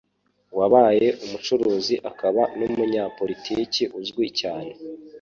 wabaye umucuruzi akaba n'umunyapolitiki uzwi cyane